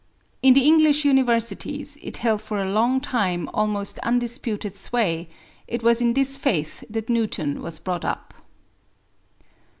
In the English Universities it held for a long time almost undisputed sway; it was in this faith that Newton was brought up.